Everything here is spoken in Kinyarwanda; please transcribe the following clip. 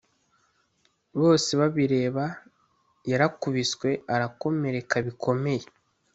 bosebabireba yarakubiswe arakomereka bikomeye